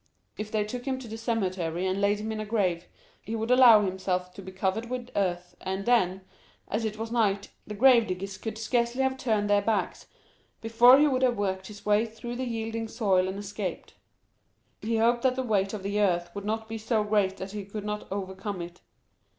0263m If they took him to the cemetery and laid him in a grave, he would allow himself to be covered with earth, and then, as it was night, the grave diggers could scarcely have turned their backs before he would have worked his way through the yielding soil and escaped. He hoped that the weight of earth would not be so great that he could not overcome it.